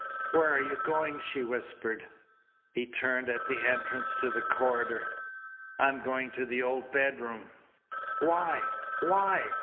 "Where are you going?" she whispered. He turned at the entrance to the corridor. "I am going to the old bedroom." "Why? Why?"